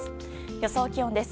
予想気温です。